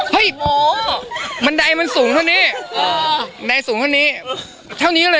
ผมเหรอ